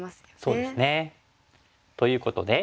そうですね。ということで。